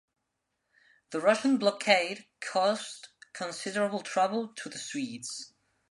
The Russian blockade caused considerable trouble to the Swedes.